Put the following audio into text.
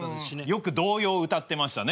よく童謡歌ってましたね。